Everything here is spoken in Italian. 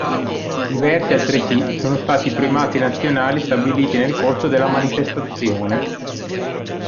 Diversi altresì sono stati i primati nazionali stabiliti nel corso della manifestazione.